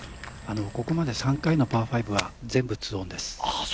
ここまで３回のパー５は全部２オンです。